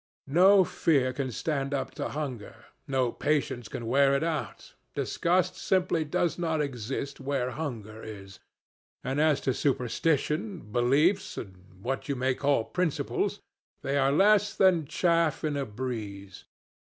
No fear can stand up to hunger, no patience can wear it out, disgust simply does not exist where hunger is; and as to superstition, beliefs, and what you may call principles, they are less than chaff in a breeze.